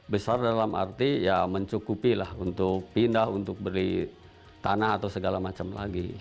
besar dalam arti ya mencukupi lah untuk pindah untuk beli tanah atau segala macam lagi